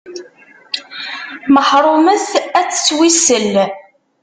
Meḥrumet ad tettwissel.